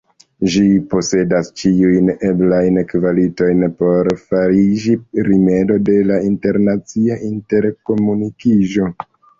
Ĝi posedas ĉiujn eblajn kvalitojn por fariĝi rimedo de la internacia interkomunikiĝo.